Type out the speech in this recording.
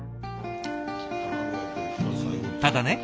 ただね